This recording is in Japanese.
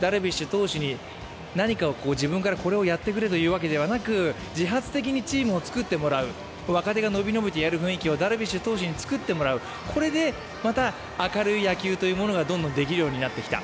ダルビッシュ投手に自分からやってくれと言うのではなく自発的にチームを作ってもらう、若手がのびのびとやれる雰囲気をダルビッシュ投手に作ってもらう、これでまた明るい野球がどんどんできるようになってきた。